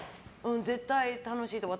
絶対楽しいと思う。